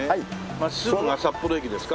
真っすぐが札幌駅ですか？